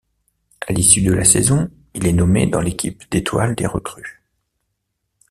À l'issue de la saison, il est nommé dans l'équipe d'étoiles des recrues.